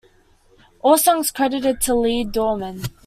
All songs credited to Lee Dorman.